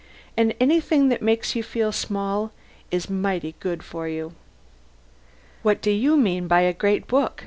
And anything that makes you feel small is mighty good for you. "What do you mean by a great book?"